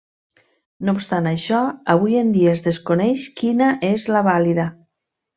No obstant això, avui en dia es desconeix quina és la vàlida.